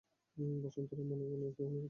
বসন্ত রায় মনে মনে অনেক ইতস্তত করিতে লাগিলেন।